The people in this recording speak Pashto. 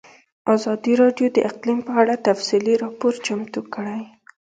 ازادي راډیو د اقلیم په اړه تفصیلي راپور چمتو کړی.